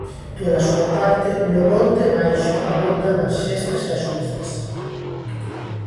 Pola súa parte, no monte baixo abondan as xestas e as uces.